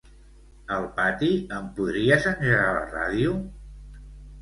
Al pati, em podries engegar la ràdio?